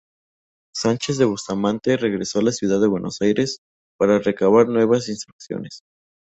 Sánchez de Bustamante regresó a la ciudad de Buenos Aires para recabar nuevas instrucciones.